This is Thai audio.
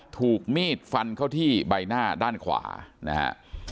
ถูกมีดฟันเข้าที่ใบหน้าด้านขวานะฮะ